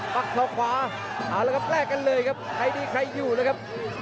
ปักท้องขวาอ่าแล้วก็แปลกกันเลยครับใครดีใครอยู่นะครับ